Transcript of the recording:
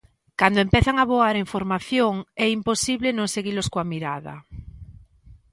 Cando empezan a voar en formación é imposible non seguilos coa mirada.